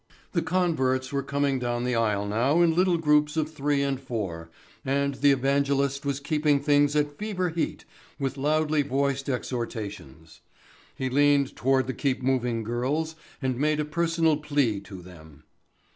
The converts were coming down the aisles now in little groups of three and four and the evangelist was keeping things at fever heat with loudly voiced exhortations. He leaned toward the "Keep Moving" girls and made a personal plea to them.